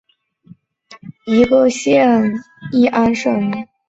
义坛县是越南乂安省下辖的一个县。